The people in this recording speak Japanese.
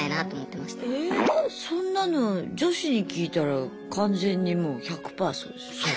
えそんなの女子に聞いたら完全にもう１００パーそうですよ。